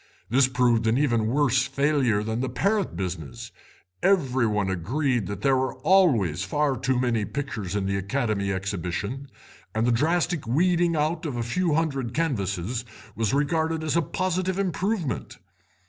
This proved an even worse failure than the parrot business; every one agreed that there were always far too many pictures in the Academy Exhibition, and the drastic weeding out of a few hundred canvases was regarded as a positive improvement.